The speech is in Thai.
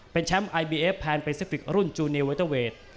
เป็นแชมป์ไอบีเอฟแพนเปซิฟิกรุ่นจูเนียเวเตอร์เวท